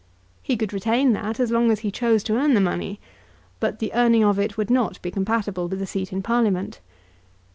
He could retain that as long as he chose to earn the money, but the earning of it would not be compatible with a seat in Parliament.